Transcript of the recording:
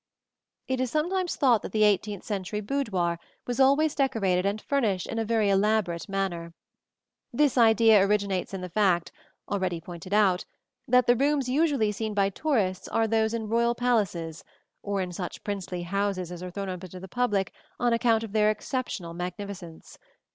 It is sometimes thought that the eighteenth century boudoir was always decorated and furnished in a very elaborate manner. This idea originates in the fact, already pointed out, that the rooms usually seen by tourists are those in royal palaces, or in such princely houses as are thrown open to the public on account of their exceptional magnificence.